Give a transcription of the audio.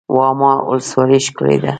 واما ولسوالۍ ښکلې ده؟